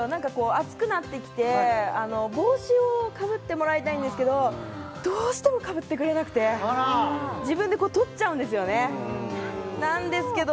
暑くなってきて帽子をかぶってもらいたいんですけどどうしてもかぶってくれなくてあら自分で取っちゃうんですよねなんですけど